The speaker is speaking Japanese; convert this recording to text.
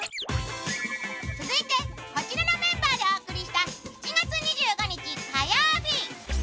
続いて、こちらのメンバーでお送りした７月２５日火曜日。